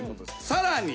さらに。